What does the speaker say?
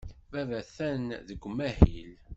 Baba atan deg umahil.